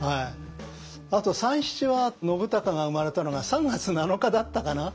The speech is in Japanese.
あと「三七」は信孝が生まれたのが３月７日だったかな？